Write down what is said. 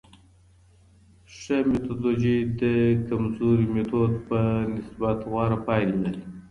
ښه میتودولوژي د کمزوري میتود په نسبت غوره پایلي لري.